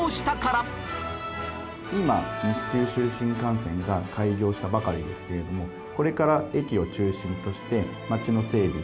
今西九州新幹線が開業したばかりですけれどもこれから駅を中心として町の整備